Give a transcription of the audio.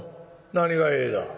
何が『え』だ。